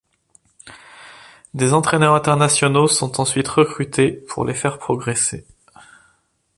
Des entraîneurs internationaux sont ensuite recrutés pour les faire progresser.